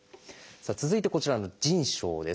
続いてこちらの腎症です。